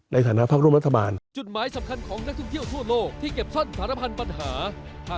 ในฐานะภักดิ์ร่วมรัฐบาล